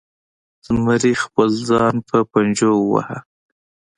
زمري خپل ځان په پنجو وواهه.